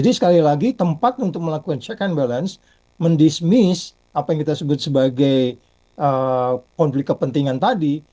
dan sekali lagi tempat untuk melakukan check and balance mendismiss apa yang kita sebut sebagai conflict of interest tadi